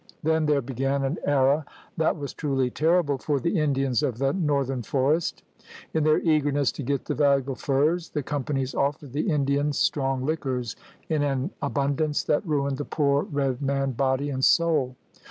Then there began an era that was truly terrible for the Indians of the north ern forest. In their eagerness to get the valuable furs the companies offered the Indians strong liquors in an abundance that ruined the poor red man, body and soul.